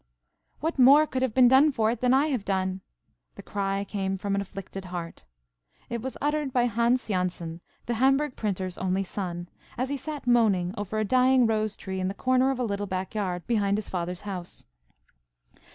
"WHAT more could have been done for it than I have done!" The cry came from an afflicted heart. It was uttered by Hans Jansen, the Hamburgh printer's only son, as he sat moaning over a dying rose tree in the corner of a little back yard behind his father's house.